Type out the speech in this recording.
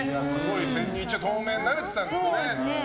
一応、透明になれてたんですかね。